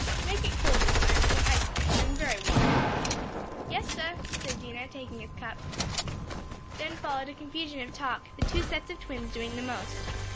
"Make it cold, this time with ice in it. I am very warm." "Yais sah," said Dinah, taking his cup. Then followed a confusion of talk, the two sets of twins doing the most.